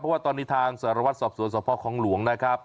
เพราะว่าตอนนี้ทางสารวัตรสอบสวนสภคองหลวงนะครับ